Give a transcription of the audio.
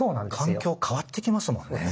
環境変わっていきますもんね。